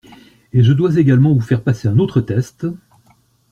Et je dois également vous faire passer un autre test,